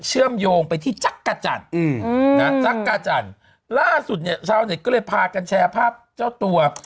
เชื่อมโยงไปที่จักรจันทร์ล่าสุดชาวนี้ก็เลยพากันแชร์ภาพเจ้าตัว